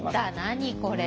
何これ。